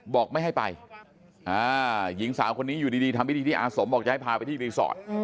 บอกไม่ให้ไปหญิงสาวคนนี้อยู่ดีทำพิธีที่อาสมบอกจะให้พาไปที่รีสอร์ท